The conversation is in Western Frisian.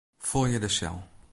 Folje de sel.